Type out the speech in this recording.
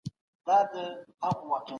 هغه حق چي اسلام ورکړی کامل دی.